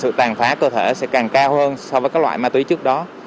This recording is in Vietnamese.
sự tàn phá cơ thể sẽ càng cao hơn so với các loại ma túy trước đó